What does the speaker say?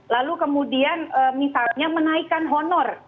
lalu kemudian misalnya menaikkan honor